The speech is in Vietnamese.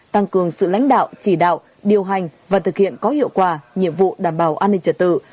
tăng cường sự lãnh đạo chỉ đạo điều hành và thực hiện có hiệu quả nhiệm vụ đảm bảo an ninh trật tự